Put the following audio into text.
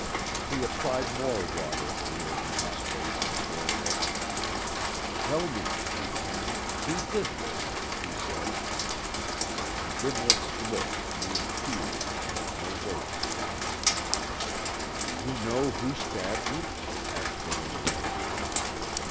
He applied more water to the old man's face and forehead. "Tell me, if you can, who did this?" he said. Gimlet's lips moved feebly, but no words came. "Do you know who stabbed you?" asked the Lone Ranger.